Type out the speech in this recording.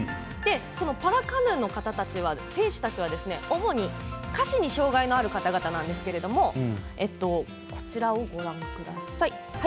そのパラカヌーの選手たちは主に、下肢に障がいのある方々なんですけどこちらをご覧ください。